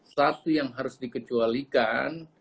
satu yang harus dikecualikan